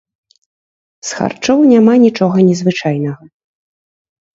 З харчоў няма нічога незвычайнага.